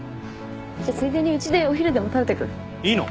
じゃあついでにうちでお昼でも食べてく？いいの？